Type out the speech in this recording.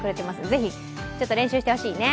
ぜひ練習してほしいね。